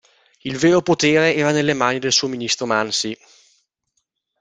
Il vero potere era nelle mani del suo ministro Mansi.